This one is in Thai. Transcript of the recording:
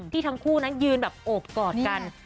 ทั้งคู่นั้นยืนแบบโอบกอดกัน